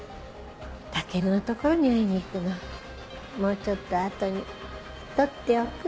武尊のところに会いに行くのもうちょっと後に取っておく。